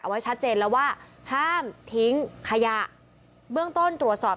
เอาไว้ชัดเจนแล้วว่า